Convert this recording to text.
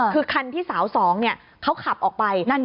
คือคันที่สาวสองเนี้ยเขาขับออกไปนั่นเนี้ย